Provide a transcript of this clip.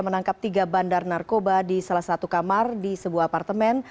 menangkap tiga bandar narkoba di salah satu kamar di sebuah apartemen